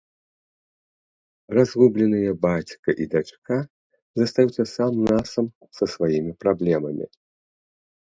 Разгубленыя бацька і дачка застаюцца сам-насам са сваімі праблемамі.